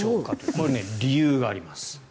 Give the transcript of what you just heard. これ、理由があります。